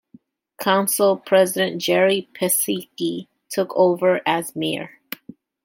Council President Jerry Piasecki took over as Mayor.